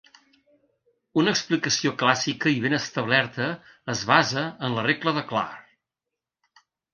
Una explicació clàssica i ben establerta es basa en la regla de Clar.